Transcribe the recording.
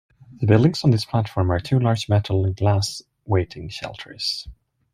The buildings on this platform are two large metal and glass waiting shelters.